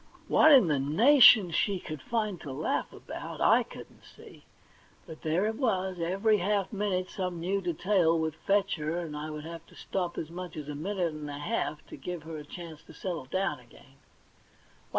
What in the nation she THE £1,000,000 BANK NOTE 27 could find to laugh about, I couldn't see, but there it was ; every half minute some new detail would fetch her, and I would have to stop as much as a minute and a half to give her a chance to settle down again.